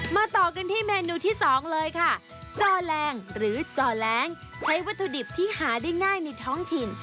ต่อกันที่เมนูที่สองเลยค่ะจอแรงหรือจอแรงใช้วัตถุดิบที่หาได้ง่ายในท้องถิ่น